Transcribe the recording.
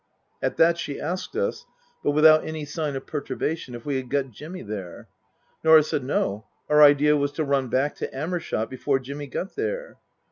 At that she asked us (but without any sign of perturba tion) if we had got Jimmy there ? Norah said No, our idea was to run back to Amershott before Jimmy got there.